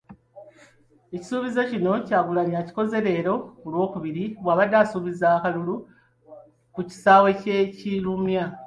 Ekisuubizo kino Kyagulanyi akikoze leero ku Lwookubiri bw'abadde asaba akalulu ku kisaawe ky'e Kirumya.